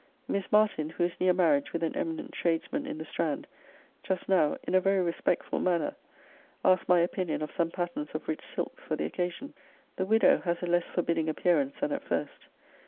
Miss Martin, who is near marriage with an eminent tradesman in the Strand, just now, in a very respectful manner, asked my opinion of some patterns of rich silks for the occasion. The widow has a less forbidding appearance than at first.